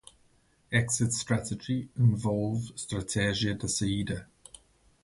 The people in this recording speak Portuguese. Exit Strategy envolve estratégia de saída.